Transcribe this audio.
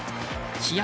試合